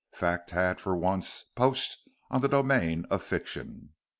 Fact had for once poached on the domains of fiction.